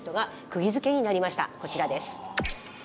こちらです。